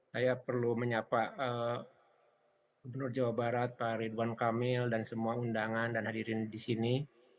saya perlu menyapa gubernur jawa barat pak ridwan kamil dan semua undangan dan hadirin di sini